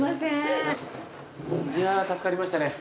いや助かりましたね。